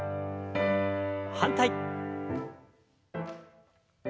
反対。